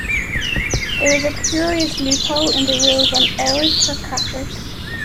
There is a curious loophole in the rules on errors for catchers.